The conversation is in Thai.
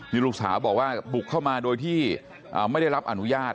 ลูกสาวบอกว่าบุกเข้ามาโดยที่ไม่ได้รับอนุญาต